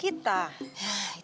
kau mau ngapain